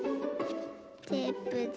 テープで。